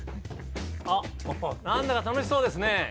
あっ何だか楽しそうですね！